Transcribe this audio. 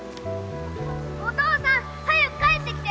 ☎お父さん早く帰ってきて